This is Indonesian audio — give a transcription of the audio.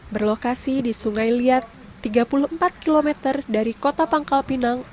berlokasi di sungai liat tiga puluh empat km dari kota pangkal pinang